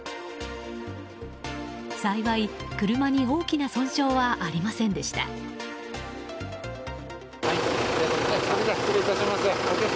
幸い、車に大きな損傷はありませんでした。